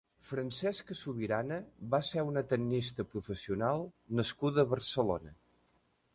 Francisca Subirana va ser una tennista professional nascuda a Barcelona.